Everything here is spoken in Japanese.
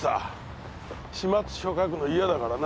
始末書書くの嫌だからな。